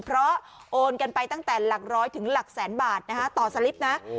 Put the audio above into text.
เพราะโอนกันไปตั้งแต่หลักร้อยถึงหลักแสนบาทต่อสลิปนะ